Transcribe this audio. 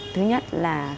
thứ nhất là